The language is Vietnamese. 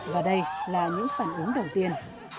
và đây là những phản ứng đầu tiên